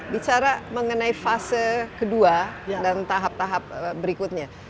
bicara mengenai fase kedua dan tahap tahap berikutnya